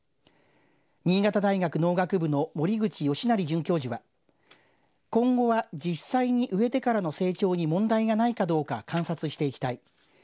新潟大学農学部の森口喜成准教授は今後は実際に植えてからの成長に問題がないかどうか観察していきたい。